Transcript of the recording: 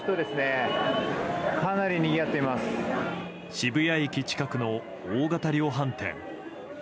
渋谷駅近くの大型量販店。